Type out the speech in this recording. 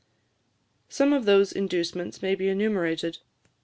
Some of those inducements may be enumerated.